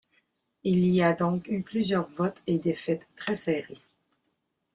Il y a donc eu plusieurs votes et défaites très serrés.